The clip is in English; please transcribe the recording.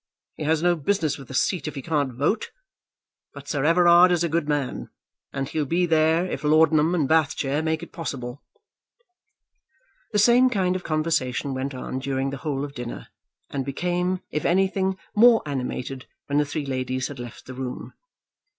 He has no business with a seat if he can't vote. But Sir Everard is a good man, and he'll be there if laudanum and bath chair make it possible." The same kind of conversation went on during the whole of dinner, and became, if anything, more animated when the three ladies had left the room.